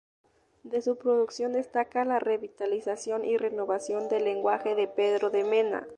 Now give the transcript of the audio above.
De su producción destaca la revitalización y renovación del lenguaje de Pedro de Mena.